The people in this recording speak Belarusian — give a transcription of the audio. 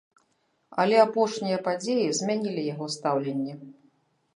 Але апошнія падзеі змянілі яго стаўленне.